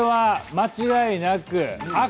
間違いなく赤。